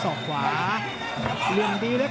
ต้องออกครับอาวุธต้องขยันด้วย